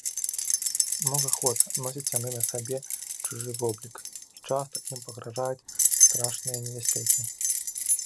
Многа год носяць яны на сабе чужы воблік, і часта ім пагражаюць страшныя небяспекі.